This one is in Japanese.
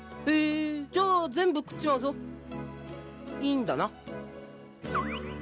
へーじゃあ全部食っちまうぞいんだな？